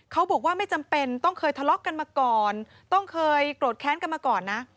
เขาบอกว่าไม่จำเป็นต้องเคยทะเลาะกันมาก่อนต้องเคยโกรธแค้นกันมาก่อนนะ